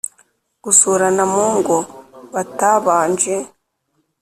gusurana mu ngo batabanje